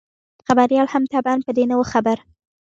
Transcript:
خبریال هم طبعاً په دې نه وو خبر.